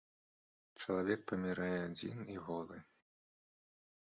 Чалавек памірае адзін і голы.